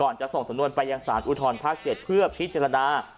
ก่อนจะส่งสมนวนไปยังสารอุทธรณภาคเช็ดเพื่อพิจารณา